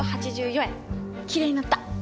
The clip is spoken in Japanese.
きれいになった。